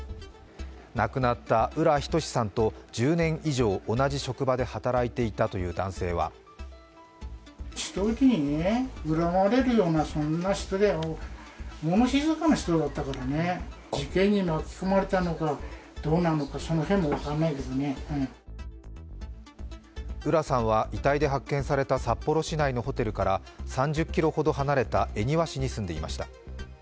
亡くなった浦仁志さんと１０年以上同じ職場で働いていたという男性は浦さんは遺体で発見された札幌市内のホテルから３０ｋｍほど離れた恵庭市に住んでいました。